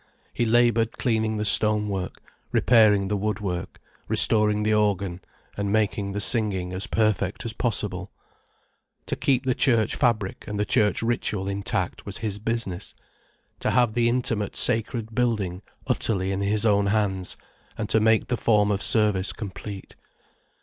He laboured cleaning the stonework, repairing the woodwork, restoring the organ, and making the singing as perfect as possible. To keep the church fabric and the church ritual intact was his business; to have the intimate sacred building utterly in his own hands, and to make the form of service complete.